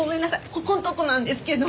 ここのとこなんですけど。